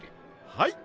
はい。